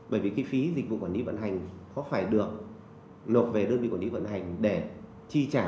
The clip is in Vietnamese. bởi vì cái phí dịch vụ quản lý vận hành có phải được nộp về đơn vị quản lý vận hành để chi trả